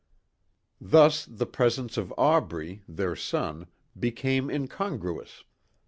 Thus the presence of Aubrey, their son, became incongruous.